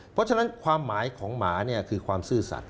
เพราะฉะนั้นความหมายของหมาเนี่ยคือความซื่อสัตว